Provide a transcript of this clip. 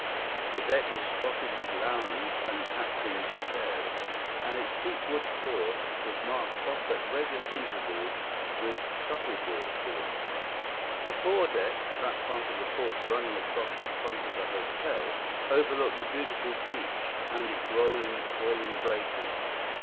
The deck was spotted with lounge and captain's chairs, and its teak wood floor was marked off at regular intervals with shuffleboard courts. The fore deck, that part of the porch running across the front of the hotel, overlooked the beautiful beach and its rolling, coiling breakers.